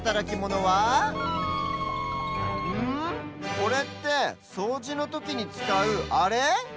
これってそうじのときにつかうあれ？